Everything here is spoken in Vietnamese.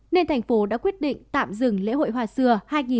nên thành phố đã quyết định tạm dừng lễ hội hoa xưa hai nghìn hai mươi bốn